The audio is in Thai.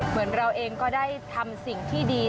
เหมือนเราเองก็ได้ทำสิ่งที่ดี